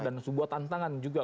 dan sebuah tantangan juga